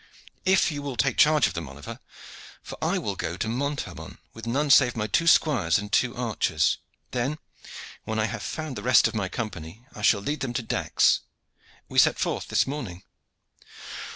"If you will take charge of them, Oliver. For I will go to Montaubon with none save my two squires and two archers. Then, when I have found the rest of my Company I shall lead them to Dax. We set forth this morning."